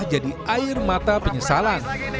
air mata penyesalan